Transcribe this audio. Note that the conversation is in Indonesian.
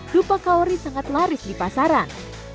dupa kaori sangat laris di pasaran